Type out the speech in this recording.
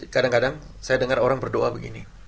kadang kadang saya dengar orang berdoa begini